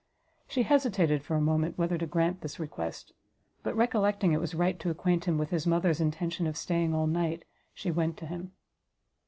She hesitated for a moment whether to grant this request; but recollecting it was right to acquaint him with his mother's intention of staying all night, she went to him.